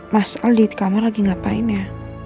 mas al di kamar lagi ngapain ya